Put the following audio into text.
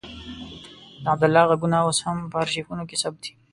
د عبدالله غږونه اوس هم په آرشیفونو کې ثبت دي.